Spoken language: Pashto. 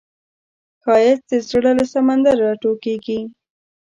ښایست د زړه له سمندر راټوکېږي